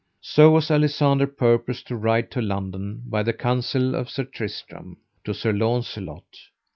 So was Alisander purposed to ride to London, by the counsel of Sir Tristram, to Sir Launcelot.